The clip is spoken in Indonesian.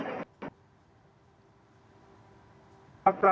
dan juga dari cabang olahraga